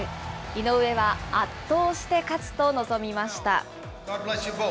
井上は圧倒して勝つと臨みました。